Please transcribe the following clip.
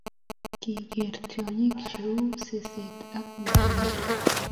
Kageer tyongik che uu seseet ak ng'etundo